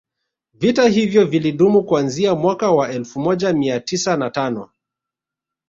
Vita hivyo vilidumu kuanzia mwaka wa elfu moja mia tisa na tano